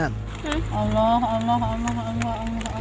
allah allah allah allah allah allah